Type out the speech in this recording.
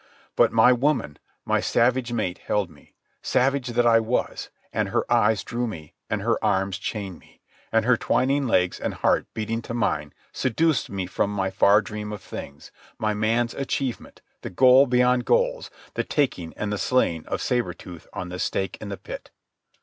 But my woman, my savage mate held me, savage that I was, and her eyes drew me, and her arms chained me, and her twining legs and heart beating to mine seduced me from my far dream of things, my man's achievement, the goal beyond goals, the taking and the slaying of Sabre Tooth on the stake in the pit.